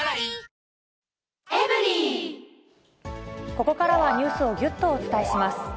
ここからはニュースをぎゅっとお伝えします。